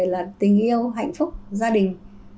là tình yêu hạnh phúc gia đình